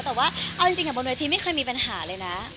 แต่ว่าเอาจริงกับบนเวทีไม่เคยมีปัญหาเลยนะ